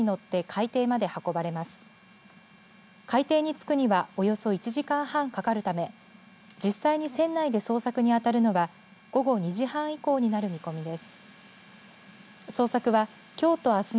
海底に着くにはおよそ１時間半かかるため実際に船内で捜索に当たるのは午後２時半以降になる見込みです。